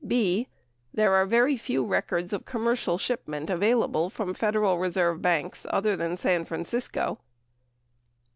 (b) There! are very few records of commercial shipment available from Federal Reserve banks other than San Francisco.